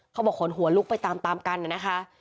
เขาบอกโหยหวนลุกไปตามกันนะคะ